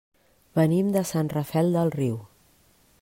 Venim de Sant Rafel del Riu.